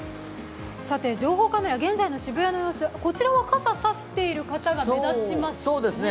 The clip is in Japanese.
情報カメラ、現在の渋谷の様子、傘を差している方が目立ちますね。